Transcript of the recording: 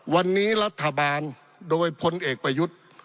วันนี้รัฐบาลโดยพลเอกประยุทธ์